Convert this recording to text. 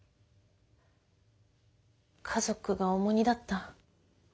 家族が重荷だった？